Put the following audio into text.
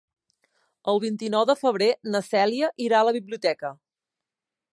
El vint-i-nou de febrer na Cèlia irà a la biblioteca.